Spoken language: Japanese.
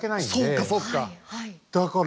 そうかそうか。